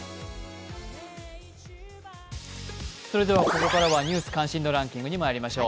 ここからは「ニュース関心度ランキング」にまいりましょう。